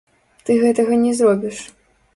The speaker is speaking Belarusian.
Ты гэтага не зробіш.